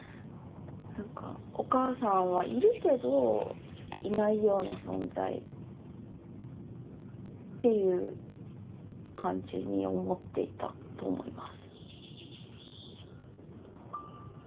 何かお母さんはいるけどいないような存在っていう感じに思っていたと思います。